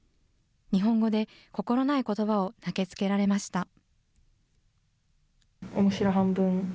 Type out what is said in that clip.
日本語で心ないことばを投げつけられました。